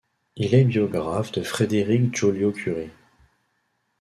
Il est biographe de Frédéric Joliot-Curie.